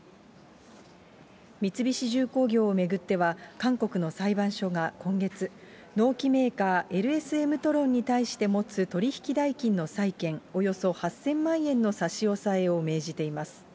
三菱重工業を巡っては韓国の裁判所が今月、農機メーカー、ＬＳエムトロンに対して持つ取り引き代金の債券、およそ８０００万円の差し押さえを命じています。